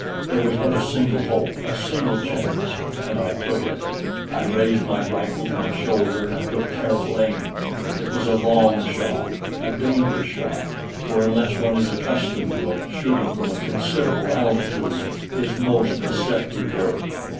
There was but a single hope a single chance and I took it. I raised my rifle to my shoulder and took careful aim. It was a long shot, a dangerous shot, for unless one is accustomed to it, shooting from a considerable altitude is most deceptive work.